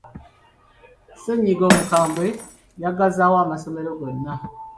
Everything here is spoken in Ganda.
Ssennyiga omukamwe yaggazaawo amasomero gonna.